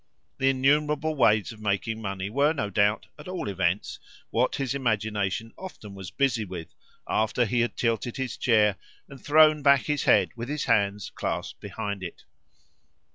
The innumerable ways of making money were, no doubt, at all events, what his imagination often was busy with after he had tilted his chair and thrown back his head with his hands clasped behind it.